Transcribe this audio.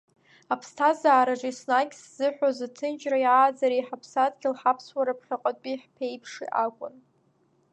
Аԥсҭазаараҿы еснагь сзыҳәоз аҭынчреи, ааӡареи, ҳаԥсадгьыл, ҳаԥсуара, ԥхьаҟатәи ҳԥеиԥши акәын.